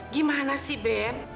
gimana sih ben